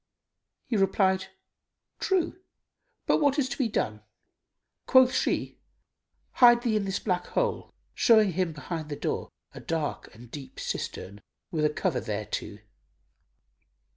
He replied, "True, but what is to be done?" Quoth she, "Hide thee in this black hole," showing him behind the door a dark and deep cistern, with a cover thereto.